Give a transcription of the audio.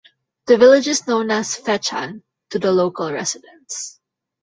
The village is known as "Fechan" to the local residents.